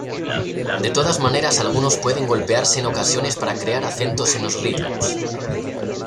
De todas maneras algunos pueden golpearse en ocasiones para crear acentos en los ritmos.